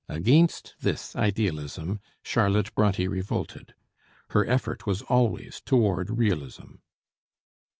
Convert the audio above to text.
Against this idealism Charlotte Bronté revolted. Her effort was always toward realism.